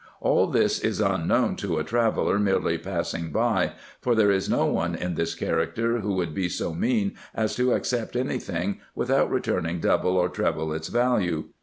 All this is unknown to a traveller merely passing by; for there is no one in this character, who would be so mean as to accept any tiling, without returning double or treble its value.